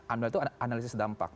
amdal itu analisis dampak